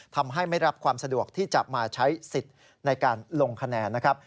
ทำให้ไม่รับความสะดวกที่จะมาใช้สิทธิ์ในการลงคะแนนนะครับ